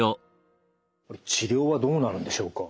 治療はどうなるんでしょうか？